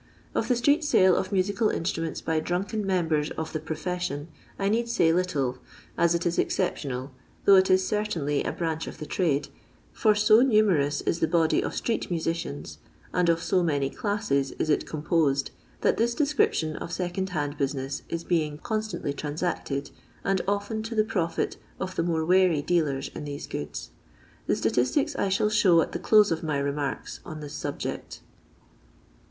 Of the street sale of musical instruments by drunken members of the "profession" I need say little, as it is exceptional, though it is certainly a branch of the trade, for so numerous is the body of street mnsidans, and of so many classes is it oomposed, that this deMription of second hand business is being constantly tmnsacted, and often to tha profit of the more wary dealers in these goods. Tha statistics I shall show at the close of my remarks on this subject.